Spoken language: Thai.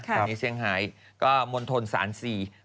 ตอนนี้เซียงไฮก็มณฑลศาลซี